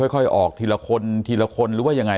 ค่อยออกทีละคนทีละคนหรือว่ายังไง